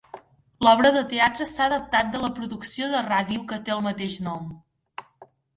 L"obra de teatre s"ha adaptat de la producció de ràdio que té el mateix nom.